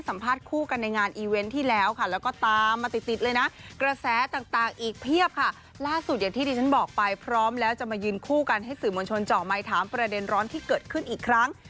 สื่อมวลชนเจาะไมค์ถามประเด็นร้อนที่เกิดขึ้นอีกครั้ง